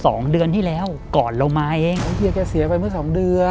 สองเดือนที่แล้วก่อนเรามาเองของเฮียแกเสียไปเมื่อสองเดือน